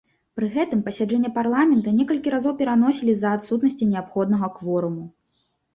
Пры гэтым пасяджэнне парламента некалькі разоў пераносілі з-за адсутнасці неабходнага кворуму.